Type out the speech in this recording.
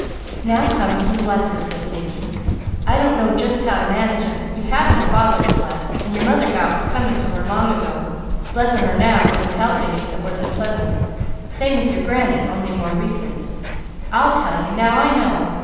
"Now comes some 'Blesses,'" said Mickey. "I don't know just how to manage them. You haven't a father to bless, and your mother got what was coming to her long ago; blessing her now wouldn't help any if it wasn't pleasant; same with your granny, only more recent. I'll tell you! Now I know!